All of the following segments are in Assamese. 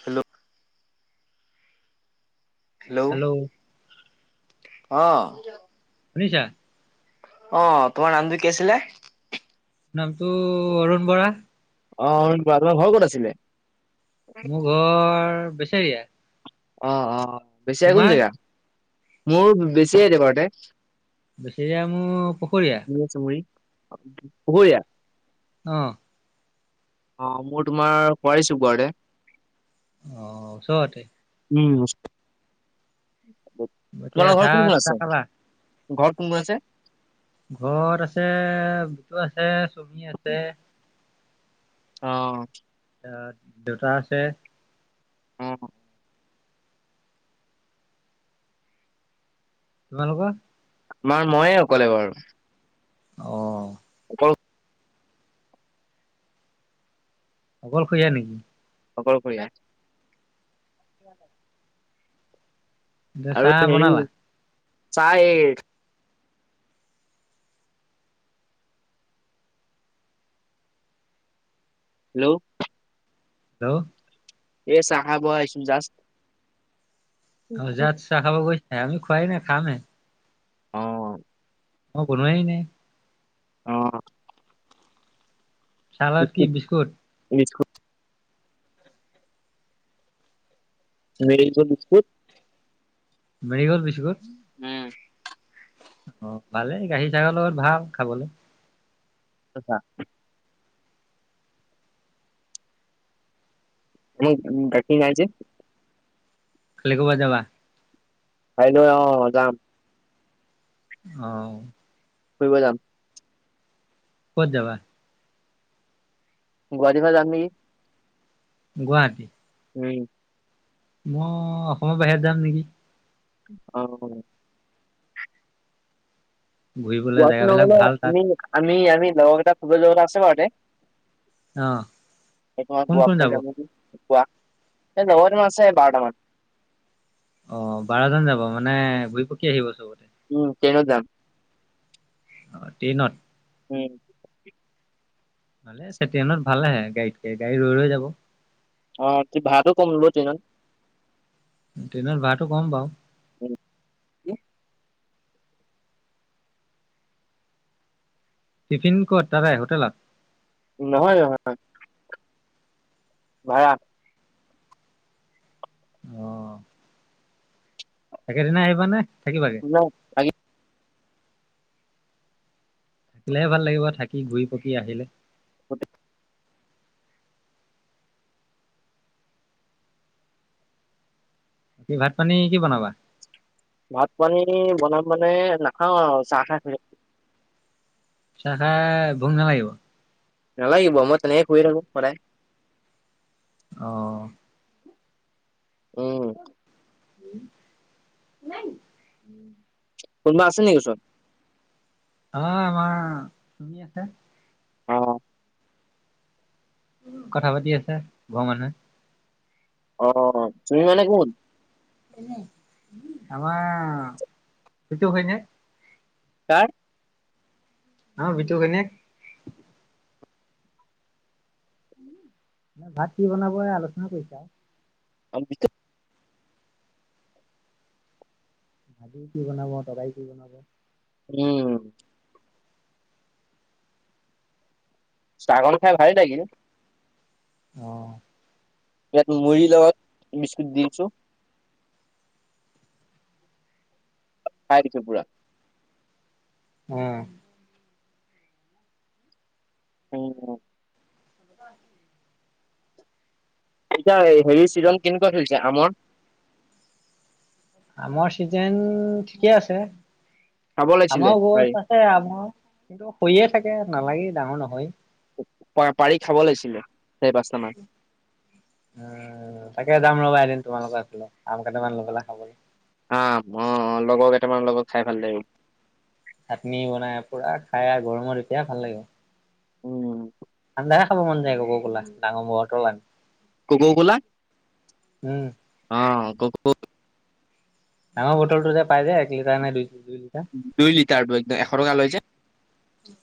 হেল্ল'। হেল্ল'। অ'। শুনিছা। অ তোমাৰ নামটো কি আছিলে। নামটো অৰুণ বৰা। অ তোমাৰ ঘৰ ক'ত আছিলে মোৰ ঘৰ বছৰিয়া অ' অ' বেছি আ কোন যেগা মোৰ বেছিয় য পাৰতে, বেছৰিয়া মোৰ পুখুৰীয়া চুমুৰী পুখুৰীয়া আহ। অ' মোৰ তোমাৰ [inaudible] বাৰে আহ ওচতে উম মতিয়া তোমালোকৰ ঘৰত চাহ কোন কোন আছে? থাকালা ঘৰত কোন কোন আছে ঘৰত আছে বি আছে? তুমি আছে অ' এ দেউতা আছে। উম তোমালোকৰ, আমাৰ মইয়ে অকলে বাৰু অ' অ' অকল খৰিয়া নেকি অকলশৰীয়া [inaudible] আৰু চাহ হেৰি বনালা চাহ এই হেল্ল' হেল্ল' এই চাহ বোৱা এ জাস্ত অ' যাত চাহ খাব গৈ আমি খোৱাই নাই খাম হে। অঁ। অ' বনোৱাই নাই। অঁ। চাহ লগত কি বিস্কুট? Biscuit [inaudible] Marie Gold biscuit. অ' ভালেই গাখীৰ চাগৰ লগত ভাল খাবলৈ। তথা [inaudible] [inaudible] কালি কৰবাত যাবা? কাইলৈ অ' যাম। অঁ। ফুৰিব যাম। ক'ত যাবা? গুৱাহাটী ফালে যাম নেকি। গুৱাহাটী। উম। মই অসমৰ বাহিৰত যাম নেকি? অ'অ' ঘূৰিবলৈ গুৱাহাটীৰ জেগাবিলাক নহ'বা ভাল তাত আমি আমি আমি লগৰকেইটাই ফুৰিব যোৱা কথা আছে বা ইয়াতে অহ' কোন কোন যাব? কোৱা এই লগৰকেইটামান আছে বাৰটামান। অ' বাৰজন যাব মানে ঘূৰি পকি আহিব চবতে। উম, ট্ৰেইনত যাম। অ' ট্ৰেইনত। উম। ভাল আছে, ট্ৰেইনত ভালেহে গাড়ীতকে গাড়ী ৰৈ ৰৈ যাব। অ' তোৰ ভাড়াতো কম হ'ব ট্ৰেইনত। ট্ৰেইনৰ ভাড়াটো কম বাৰু। হুম কি? টিফিন ক'ত তাতে হোটেলত? নহয়, নহয়। ভাড়া অহ' একেদিনাই আহিবা নে? নাই থাকিম। থাকিলেহে ভাল লাগিব, থাকি ঘূৰি পকি আহিলে। [inaudible] বাকী ভাত পানী কি বনাবা? ভাত পানী বনাম মানে নাখাওঁ আৰু চাহ খাই থাকে চাহ খায় ভোক নালাগিব? নালাগিব মই তেনেকে শুইয়ে থাকো সদায়। অহ। উম। নাই। কোনোবা আছে নেকি ওচৰত? অ আমাৰ [unintelligible] [inaudible] অ কথা পাতি আছে ঘৰৰ মানুহে। অ' তুমি মানে কোন? আমাৰ সেইটো হয় নে? ক [inaudible] অ' বিতু হয়নে? ভাত কি বনাব, এয়া আলোচনা কৰিছে আৰু। [unintelligible] ভাজি কি বনাব, তৰকাৰি কি বনাব? উম। ছাগল খাই ভালেই লাগে। অহ। তাত মুড়িৰ লগত বিস্কুট দি আছো। খাই দিছো পুৰা। উম। উম। [inaudible] এতিয়া হেৰি চিজন কেনেকুৱা চলিছে আমৰ? আমাৰ চিজন ঠিকে আছে। খাব লাগিছিলে আমাৰ পাৰি গছ আছে আমৰ, কিন্তু সৰিয়ে থাকে নালাগে ডাঙৰ নহয়। প পাৰি খাব লাগিছিলে। চাৰি পাঁচটা মান অ', তাকে [unintelligible] এদিন তোমালোকো আছিলা, আম কেইটামান লয় পেলাই খাবলৈ। আহ, অ' অ' লগৰ কেইটামান লগত খাই ভাল লাগিব। চাটনি বনাই পুৰা খাই আৰ গৰমত এতিয়া ভাল লাগিব। উম। [unintelligible] খাব মন যায় ক'ব গ'লে গোলা ডাঙৰ [unintelligible] কোকা-ক'লা উম অহ। গ আমৰ বটলটো যে পাই যে এক লিটাৰ নে দুই দুই লিটাৰ দুই লিটাৰ টো, এশ টকা লৈ যে। [inaudible]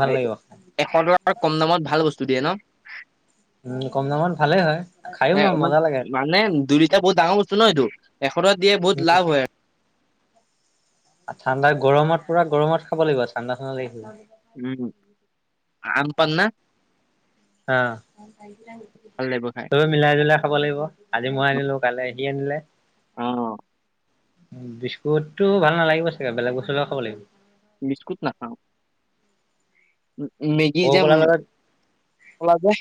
ভাল এ, লাগিব খাই। এশ টকাৰ কম দামত ভাল বস্তু দিয়ে ন'? উম কম দামত ভালেই হয় খায়ো এ, ইমান মজা লাগে মানে দুই লিটাৰ বহুত ডাঙৰ বস্তু ন' এইটো। এশ টকাত দিয়ে বহুত উম লাভ হয়। ঠাণ্ডা গৰমত পোৰা গৰমত খাব লাগিব ঠাণ্ডা ঠাণ্ডা লাগিছিলে। উম আ পন্না আহ ভাল লাগিব খাই তইও মিলাই জুলাই খাব লাগিব আজি মই আনিলো কাইলৈ সি আনিলে। অ বিস্কুটটো ভাল নালাগিব চাগে বেলেগ বস্তুৰ লগত খাব লাগিব। বিস্কুট নাখাওঁ। উম মেগী কক যে উম কলাৰ লগত মছলা যে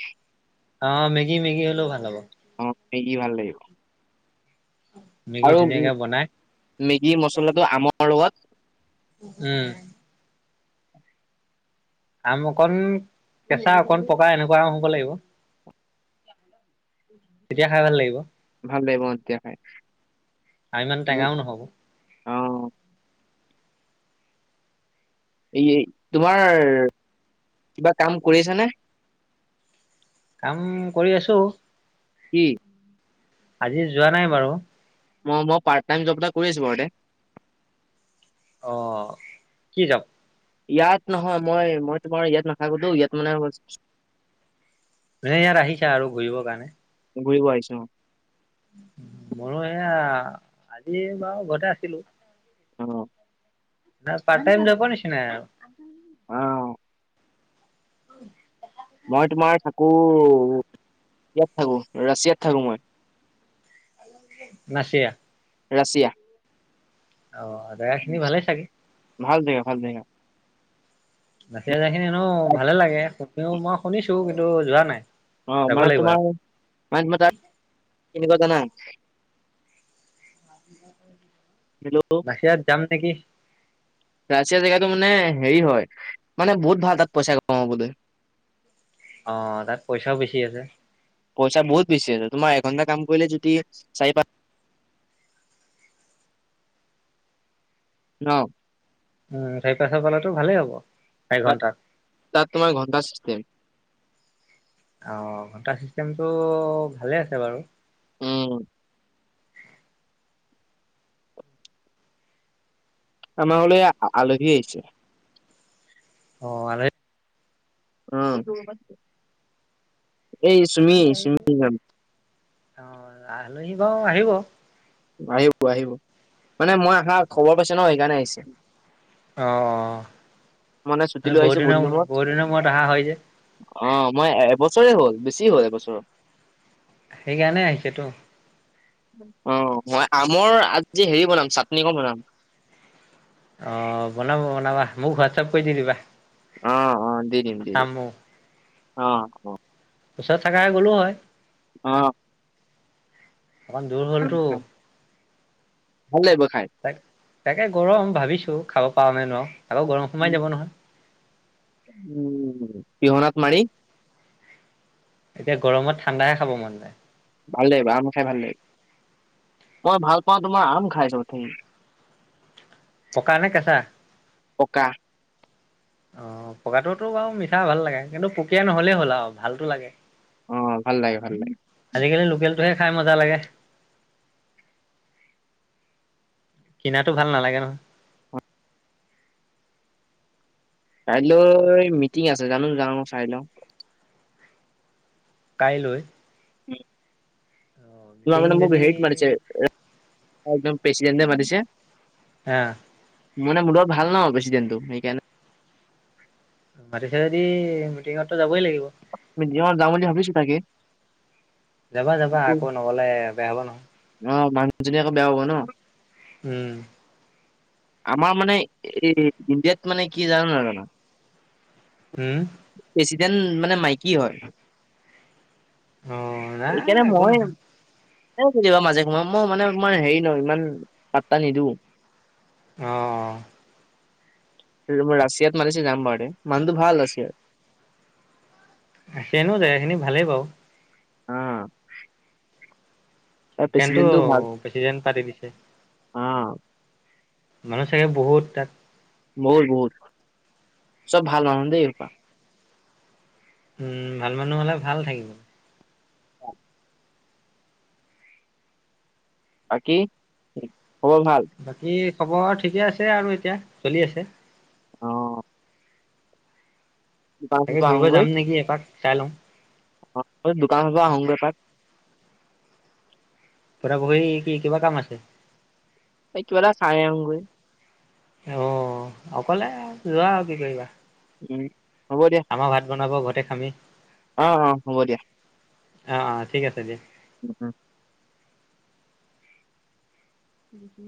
অ' মেগী মেগী হ'লেও ভাল হ'ব। অহ' মেগী ভাল লাগিব। মেগী আৰু ধুনীয়াকে বনাই মেগী মছলাটো আমৰ লগত। উম। আম অকন কেঁচা অকণ পকা এনেকুৱা আম হব লাগিব, তেতিয়া খায় ভাল লাগিব। ভাল লাগিব অঁ তেতিয়া খায় আৰু ইমান উম টেঙাও নহ'ব অঁহ। এই তোমাৰ কিবা কাম কৰি আছানে? কাম কৰি আছো, কি? আজি যোৱা নাই বাৰু। মই বাৰু পাৰ্টটাইম জব এটাত কছ বৰতে [inaudible] [unintelligible] অ কি যব। ইয়াত নহয় মই মই তোমাৰ ইয়াত নাথাকোঁটো ইয়াত মানে। মানে ইয়াত আহিছা আৰু ঘূৰিবৰ কাৰণে। ঘূৰিব আহিছো। ময়ো এয়া আজি বাৰু ঘৰতে আছিলো। অঁ নাই পাৰ্টটাইম জবৰ নিচিনাই আৰু। অঁ উম [unintelligible] [inaudible] মই তোমাৰ থাকো ইয়াত থাকো, ৰাছিয়াত থাকো মই। ৰাছিয়া। ৰাছিয়া অ জেগা খিনি ভালে চাগে- ভাল জেগা ভাল জেগা। জেগাখিনি এনেও ভালেই লাগে। তেওঁ মই শুনিছোঁ, কিন্তু যোৱা নাই। অ' যাব মানে লাগিব তোমাৰ মানে তোমাৰ তাত কেনেকুৱা জানা হেল্ল' বাহিৰত যাম নেকি। ৰাছিয়া জেগাটো মানে হেৰি হয়, মানে বহুত ভাল তাত পইচা কমাবলৈ। অ' তাত পইচাও বেছি আছে। পইচা বহুত বেছি আছে, তোমাৰ এঘন্টা কাম কৰিলে যদি চাৰি পাঁচ ন'। উম সেই পইচা পালেতো ভালেই হ'ব। চাৰি ঘন্টাত তাত-তাত তোমাৰ ঘন্টা চিষ্টেম। অ' ঘণ্টা চিষ্টেমটো ভালেই আছে বাৰু। উম। আমাৰ ঘৰলে আলহী আহিছে। অ' আলহী উম। এই আলহী আহিব চুমি-চুমিৰ গান। অ আলহী বাৰু আহিব। আহিব আহিব মানে মই আহা খবৰ পাইছে ন সেইকাৰণে আহিছে। অ' অ' ছুটি মানে লৈ আহিছে বহুত দিনৰ মূৰত বহুত দিনৰ মূৰত অহা হয় যে। অ' মই এবছৰে হ'ল, বেছি হ'ল এবছৰ। সেইকাৰণে আহিছে তো। অ' মই আমৰ আজি হেৰি বনাম চাটনি অকন বনাম। অ' বনাবা বনাবা মোক হোৱাটছআপ কৰি দি দিবা। অ' অ' দি দিম, দি চাম দিম। ময়ো অ' হ'ব। ওচৰত থাকা হয় গ'লো হয়। অ'। অকমান দূৰ খাম হ'লটো। খাম ভাল লাগিব খাই তাক তাকে গৰম ভাবিছো খাব পৰো নে নোৱাৰো। আকৌ গৰম সোমাই যাব নহয়। উম পিহনাত মাৰি এতিয়া গৰমত ঠাণ্ডাহে খাব মন যায়। ভাল লাগিব আম খায় ভাল লাগিব। মই ভাল পাওঁ তোমাৰ আম খায় চবত থাকি। পকা নে কেঁচা? পকা। অ' পকাটোতো বাৰু মিঠা ভাল লাগে। কিন্তু পোকীয়া নহ'লেই হ'ল আৰু ভালতো লাগে। অ' ভাল লাগে, ভাল লাগে। এটোহে খায় মজা লাগে। কিনা টো ভাল নালাগে নহয়। কাইলৈ মিটিং আছে জানো যাওঁ চাই লওঁ। কাইলৈ উম। অঁ যোৱা মিটিং মানে মোক যদি হেৰিত মাতিছে। একদম প্ৰেচিডেণ্ট নে মাতিছে হে আ। মানে মোৰ লগত ভাল ন প্ৰেচিডেণ্ট টো সেইকাৰণে। মাতিছে যদি মিটিঙত টো যাবই লাগিব। মিটিং ত যাম বুলি ভাবিছোঁ। তাকে। যাবা, কি যাবা আকৌ নগলে বেয়া হ'ব নহয়। মানুহজনীয়ে আকৌ বেয়া পাব ন'। উম। আমাৰ মানে এই ইণ্ডিয়াত মানে কি জানা নে নাজানা? হম। যেন মানে মাইকী হয়। অ', নাই একো নহয়। এতিয়াও কেতিয়াবা মাজে সময়ে মই মানে অকমান হেৰি ন ইমান পাত্তা নিদিওঁ। অ', অ'। ৰাছিয়াত মাতিছে যাম বাৰু দে, মানুহটো ভাল ৰাছিয়াৰ। [unintelligible] জেগা খিনি ভালেই বাওঁ। অ'। তাৰ [unintelligible] প্ৰেচিডেণ্টটো ভাল প্ৰেছিডেন্ট পাতি দিছে। অ মানুহ চাগে বহুত তাত? বহুত, বহুত চব ভাল মানুহ দেই এইসোপা। উম, ভাল মানুহ হ'লে ভাল থাকিব। বাকী খবৰ ভাল? বাকী খবৰ ঠিকে আছে আৰু এতিয়া চলি আছে। অ'। দোকান তাকে চোকান ঘূৰিব আহোগৈ যাম নেকি এপাক? চাই লওঁ অ, এই দোকানৰ পৰা আহোঁগৈ এপাক পুৰা বহি, কি কিবা কাম আছে? অই, কিবা এটা চাই আহোঁগৈ। অ', অকলে যোৱা আৰু কি কৰিবা উম। হ'ব দিয়া। দেখামেই অ', অ', হ'ব দিয়া। অ অ ঠিক আছে দিয়া। [inaudible]